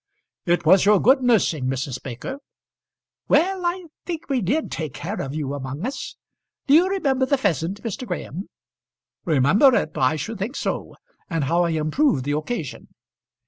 "It was your good nursing, Mrs. Baker." "Well, I think we did take care of you among us. Do you remember the pheasant, Mr. Graham?" "Remember it! I should think so; and how I improved the occasion."